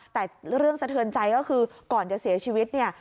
แต่เรื่องสะเทือนใจก็คือก่อนจะเสียชีวิตเนี่ย